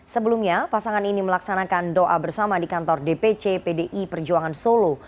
sebelumnya pasangan ini melaksanakan doa bersama di kantor dpc pdi perjuangan solo